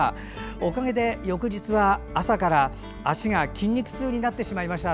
おかげで翌日は朝から足が筋肉痛になってしまいました。